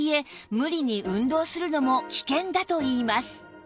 無理に運動するのも危険だといいます